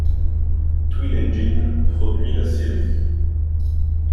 Twin Engine produit la série.